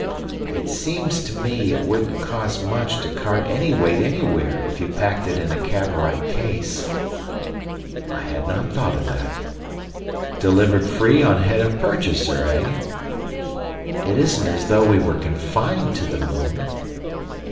"It seems to me it wouldn't cost much to cart any weight anywhere if you packed it in a Cavorite case." I had not thought of that. "Delivered free on head of purchaser, eh?" "It isn't as though we were confined to the moon."